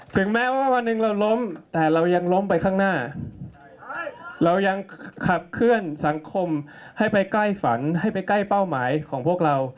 ถึงแม้ว่าวันหนึ่งเราล้มแต่เรายังล้มไปข้างหน้าเรายังขับเคลื่อนสังคมให้ไปใกล้ฝันให้ไปใกล้เป้าหมายของพวกเรา